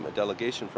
gặp với các thành phố